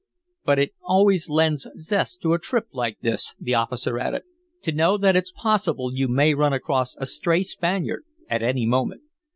"But it always lends zest to a trip like this," the officer added, "to know that it's possible you may run across a stray Spaniard at any moment.